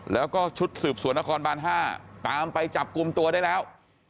แล้วก็ชุดสืบสวนนครบาน๕ตามไปจับกลุ่มตัวได้แล้ว